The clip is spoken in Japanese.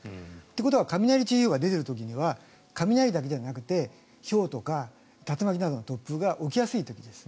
ということは雷注意報が出ている時には雷だけじゃなくてひょうとか竜巻などの突風が起きやすいということです。